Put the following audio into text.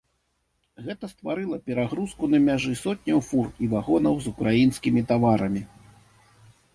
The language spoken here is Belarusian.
Гэта стварыла перагрузку на мяжы сотняў фур і вагонаў з украінскімі таварамі.